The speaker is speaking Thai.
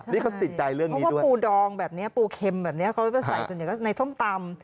เขาต้องสิดใจเรื่องนี้ด้วยเพราะปูดองปูเข็มก็ใส่ส่วนใหญ่ในต้มปำ